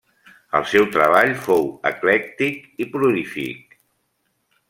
El seu treball fou eclèctic i prolífic.